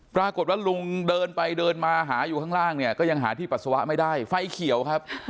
ปรากฏว่าลุงเดินไปเดินมาหาอยู่ข้างล่างเนี่ยก็ยังหาที่ปัสสาวะไม่ได้ไฟเขียวครับ